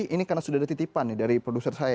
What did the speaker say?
ini karena sudah ada titipan nih dari produser saya